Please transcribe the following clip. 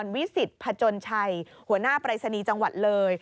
วิสิตพจนชัยหัวหน้าปรายศนีย์จังหวัดเลย